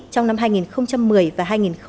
trong năm hai nghìn một mươi và hai nghìn một mươi bốn